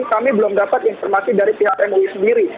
kami belum dapat informasi dari pihak mui sendiri